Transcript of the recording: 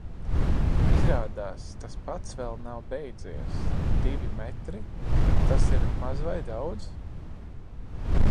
Izrādās, tas pats vēl nav beidzies. Divi metri – tas ir maz vai daudz?